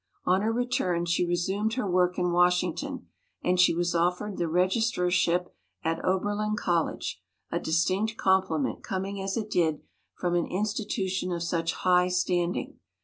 On her re turn she resumed her work in Washington, and she was offered the registrarship at Oberlin College, a distinct compliment com ing as it did from an institution of such high standing.